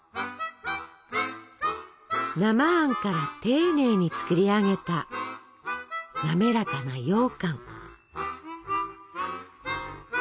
生あんから丁寧に作り上げた滑らかなようかん。